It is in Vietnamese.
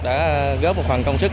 đã góp một phần công sức